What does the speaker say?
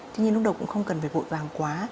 tuy nhiên lúc đầu cũng không cần phải vội vàng quá